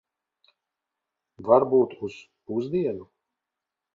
Varbūt uz pusdienu.